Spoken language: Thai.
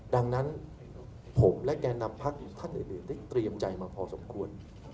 ดังนั้นผมและแก่นำพักอีกท่านอื่นได้เตรียมใจมาพอสมควร